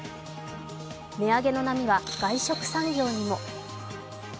値上げの波は外食産業にも。